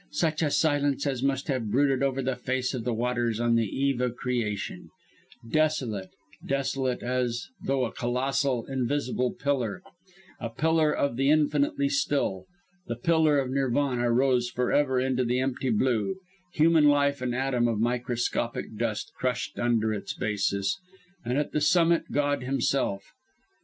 Such a silence as must have brooded over the Face of the Waters on the Eve of Creation desolate, desolate, as though a colossal, invisible pillar a pillar of the Infinitely Still, the pillar of Nirvana rose forever into the empty blue, human life an atom of microscopic dust crushed under its basis, and at the summit God Himself.